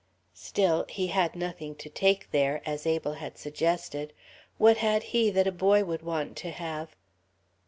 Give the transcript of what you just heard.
Still, he had nothing to take there, as Abel had suggested. What had he that a boy would want to have?